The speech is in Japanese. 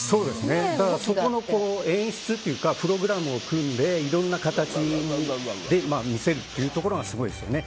だからそこの演出というかプログラムを組んでいろんな形で見せるところがすごいですよね。